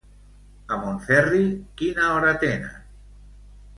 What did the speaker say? A Montferri quina hora tenen?